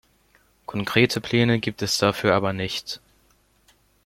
Konkrete Pläne gibt es dafür aber nicht.